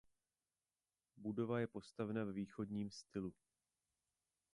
Budova je postavena ve východním stylu.